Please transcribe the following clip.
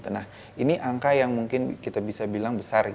nah ini angka yang mungkin kita bisa bilang besar